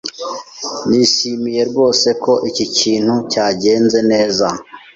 Nishimiye rwose ko iki kintu cyagenze neza.